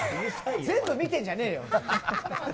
全部見てんじゃねえよ。